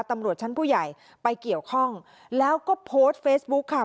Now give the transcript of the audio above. ตำรวจชั้นผู้ใหญ่ไปเกี่ยวข้องแล้วก็โพสต์เฟซบุ๊คค่ะ